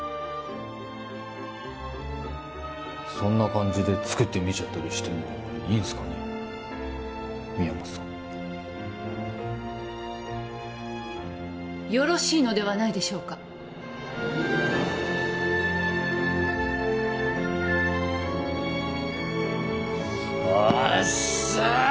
そんな感じで作ってみちゃったりしてもいいんすかね宮本さんよろしいのではないでしょうかおっしゃあ！